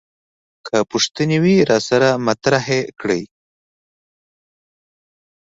که پوښتنې وي راسره مطرح کوي.